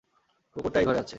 কুকুরটা এই ঘরে আছে।